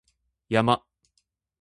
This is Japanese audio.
山